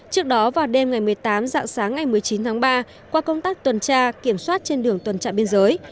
trước đó vào đêm ngày một mươi tám dạng sáng ngày một mươi chín tháng ba qua công tác tuần tra kiểm soát trên đường tuần tra biên giới